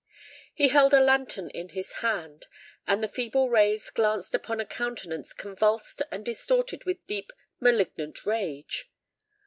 He held a lantern in his hand; and the feeble rays glanced upon a countenance convulsed and distorted with deep, malignant rage.